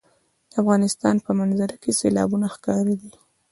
د افغانستان په منظره کې سیلابونه ښکاره ده.